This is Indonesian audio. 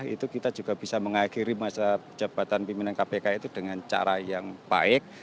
itu kita juga bisa mengakhiri masa jabatan pimpinan kpk itu dengan cara yang baik